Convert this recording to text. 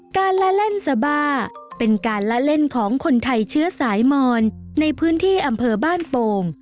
การละเล่นสบาเป็นการละเล่นของคนไทยเชื้อสายมอนในพื้นที่อำเภอบ้านโป่ง